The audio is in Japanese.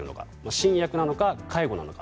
新薬なのか介護なのか。